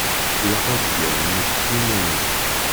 Ilaq ad t-geɣ nekk s yiman-iw.